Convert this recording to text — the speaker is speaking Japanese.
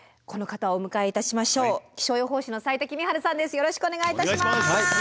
よろしくお願いします。